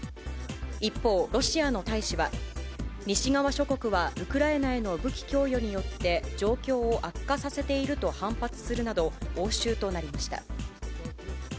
一方、ロシアの大使は、西側諸国はウクライナへの武器供与によって、状況を悪化させていると反発するなど、応酬となりました。